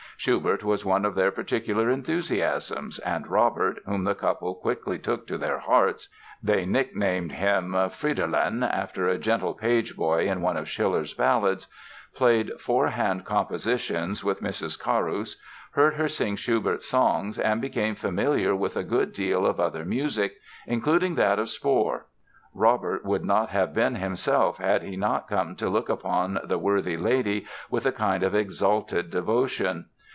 Schubert was one of their particular enthusiasms and Robert, whom the couple quickly took to their hearts (they nicknamed him "Fridolin", after a gentle page boy in one of Schiller's ballads), played four hand compositions with Mrs. Carus, heard her sing Schubert songs and became familiar with a good deal of other music, including that of Spohr. Robert would not have been himself had he not come to look upon the worthy lady with a kind of exalted devotion.